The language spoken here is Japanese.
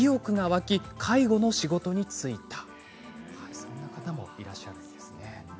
そんな方もいらっしゃるんですね。